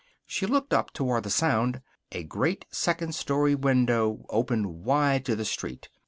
She looked up, toward the sound. A great second story window opened wide to the street.